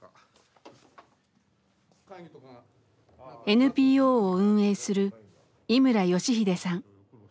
ＮＰＯを運営する井村良英さん。